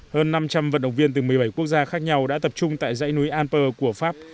hơn năm trăm linh vận động viên từ một mươi bảy quốc gia khác nhau đã tập trung tại dãy núi alper của pháp